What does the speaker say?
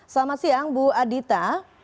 selamat siang bu adhita